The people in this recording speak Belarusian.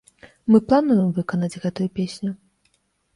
Мы плануем выканаць гэтую песню.